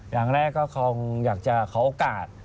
อย่างแรกก็คงอยากจะขอโอกาส